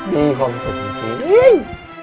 มีความสุขจริง